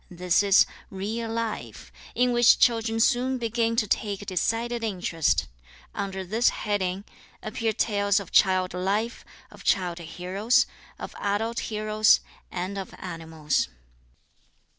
This is Real Life, in which children soon begin to take decided interest. Under this heading appear tales of child life, of child heroes, of adult heroes, and of animals.